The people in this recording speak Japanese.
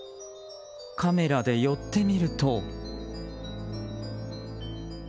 カメラで寄ってみると。